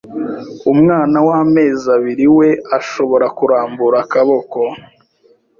Umwana w’amezi abiri we ashobora kurambura akaboko